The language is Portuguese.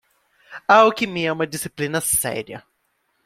A alquimia é uma disciplina séria.